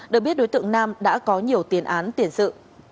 được biết đối tượng nam đã có nhiều tiền án tiền sự